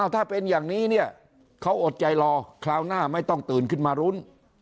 ถ้าเป็นอย่างนี้เนี่ยเขาอดใจรอคราวหน้าไม่ต้องตื่นขึ้นมารุ้น